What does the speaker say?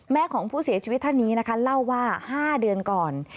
ของผู้เสียชีวิตท่านนี้นะคะเล่าว่า๕เดือนก่อน